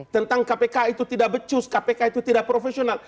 tentang kpk itu tidak becus kpk itu tidak profesional